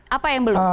apa yang belum